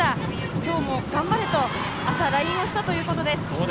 「今日も頑張れ」と朝、ＬＩＮＥをしたということです。